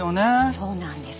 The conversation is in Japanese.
そうなんです。